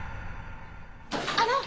あの！